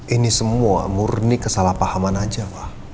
ini semua murni kesalahpahaman aja pak